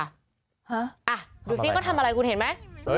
ฮะดูสิเขาทำอะไรคุณเห็นไหม